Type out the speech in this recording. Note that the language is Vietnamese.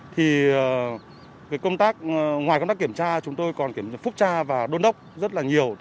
thì ngoài công tác kiểm tra chúng tôi còn kiểm tra phúc tra và đôn đốc rất là nhiều